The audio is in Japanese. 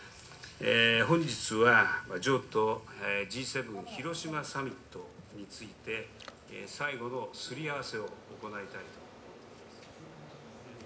本日はジョーとＧ７広島サミットについて最後のすりあわせを行いたいと思っています。